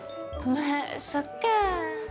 まあそっかぁ。